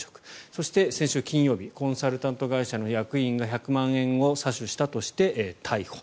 そして、先週金曜日コンサルタント会社の役員が１００万円を詐取したとして逮捕。